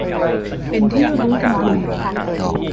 เป็นที่รู้กันดี